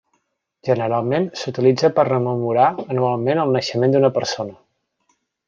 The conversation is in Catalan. Generalment s'utilitza per rememorar anualment el naixement d'una persona.